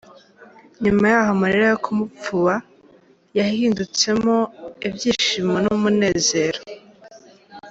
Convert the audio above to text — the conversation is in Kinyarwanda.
Nyuma y'aho, amarira yo kumupfuba yahindutsemwo ivyishimo n'umunezero.